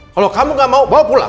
kalau kamu gak mau bawa pulang